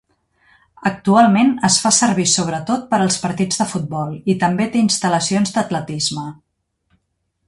Actualment, es fa servir sobretot per als partits de futbol i també té instal·lacions d'atletisme.